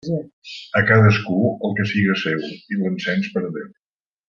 A cadascú el que siga seu i l'encens per a Déu.